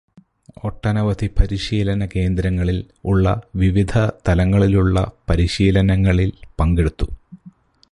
ഒട്ടനവധി പരിശീലന കേന്ദ്രങ്ങളിൽ ഉള്ള വിവിധ തലങ്ങളിലുള്ള പരിശീലനങ്ങളിൽ പങ്കെടുത്തു.